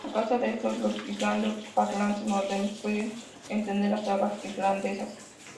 A causa de esto, los islando-parlantes modernos pueden entender las sagas islandesas.